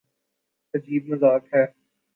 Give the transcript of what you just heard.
عجیب مذاق ہے۔